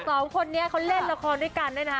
สองคนนี้เขาเล่นละครด้วยกันด้วยนะคะ